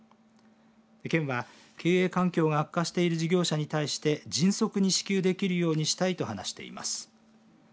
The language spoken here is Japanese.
県は、経営環境が悪化している事業者に対して迅速に支給できるようにしたいと話しています。